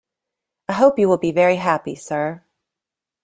I hope you will be very happy, sir.